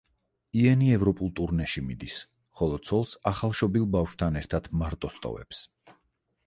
იენი ევროპულ ტურნეში მიდის, ხოლო ცოლს ახალშობილ ბავშვთან ერთად მარტოს ტოვებს.